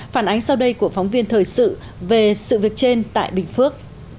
phản ánh sau đây của phóng viên thời sự về sự việc trên tại bình phước